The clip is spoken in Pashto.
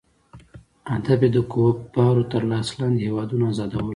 هدف یې د کفارو تر لاس لاندې هیوادونو آزادول وو.